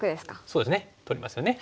そうですね取りますよね。